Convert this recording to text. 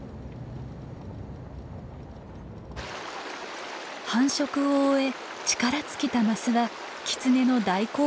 繁殖を終え力尽きたマスはキツネの大好物。